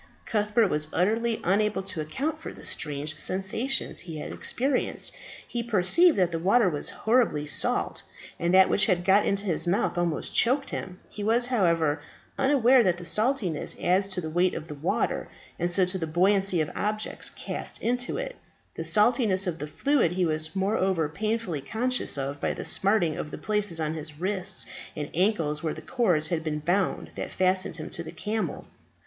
Cuthbert was utterly unable to account for the strange sensations he had experienced; he perceived that the water was horribly salt, and that which had got into his mouth almost choked him. He was, however, unaware that saltness adds to the weight of water, and so to the buoyancy of objects cast into it. The saltness of the fluid he was moreover painfully conscious of by the smarting of the places on his wrists and ankles where the cords had been bound that fastened him to the camel.